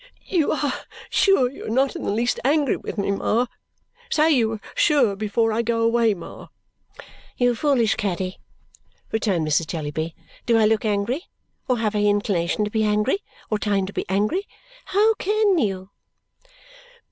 "You are sure you are not the least angry with me, Ma? Say you are sure before I go away, Ma?" "You foolish Caddy," returned Mrs. Jellyby, "do I look angry, or have I inclination to be angry, or time to be angry? How CAN you?"